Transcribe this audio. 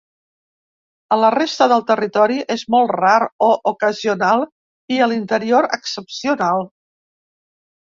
A la resta del territori és molt rar o ocasional i, a l'interior, excepcional.